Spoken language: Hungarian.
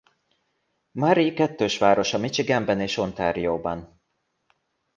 Marie kettős városa Michiganben és Ontarióban.